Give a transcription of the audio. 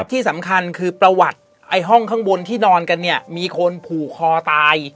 ที่สำคัญคือประวัติห้องข้างบนที่นอนกันเนี่ยมีคนผูกคอตาย